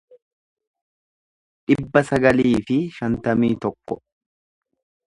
dhibba sagalii fi shantamii tokko